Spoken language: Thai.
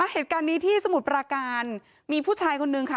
เหตุการณ์นี้ที่สมุทรปราการมีผู้ชายคนนึงค่ะ